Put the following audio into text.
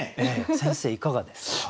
先生いかがですか？